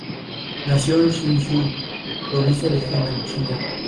Pero Warren, en su papel de Chacal, murió durante una batalla con Spiderman.